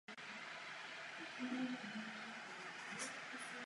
Rozhodnutí tohoto druhu jsou ostatně kontroverzní.